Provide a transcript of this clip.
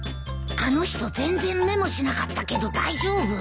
あの人全然メモしなかったけど大丈夫？